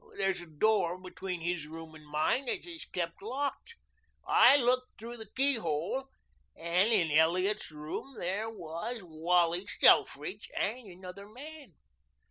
There's a door between his room and mine that is kept locked. I looked through the keyhole, and in Elliot's room there was Wally Selfridge and another man.